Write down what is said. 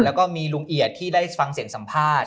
แล้วก็มีลุงเอียดที่ได้ฟังเสียงสัมภาษณ์